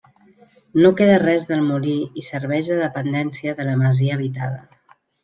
No queda res del molí i serveix de dependència de la masia habitada.